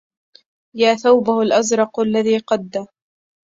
يا ثوبه الأزرق الذي قد